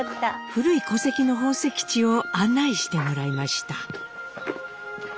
古い戸籍の本籍地を案内してもらいました。